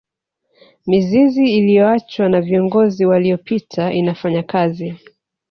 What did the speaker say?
mizizi iliyoachwa na viongozi waliyopita inafanya kazi